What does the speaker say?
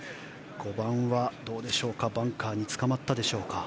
５番はどうでしょうかバンカーにつかまったでしょうか。